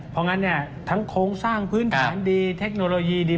เพราะงั้นเนี่ยทั้งโครงสร้างพื้นฐานดีเทคโนโลยีดี